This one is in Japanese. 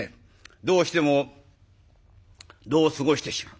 どうしても度を過ごしてしまう。